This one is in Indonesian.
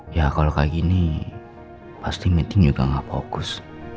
ya kalau kayak gini pasti meeting juga gak fokus